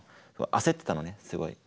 焦ってたのねすごい。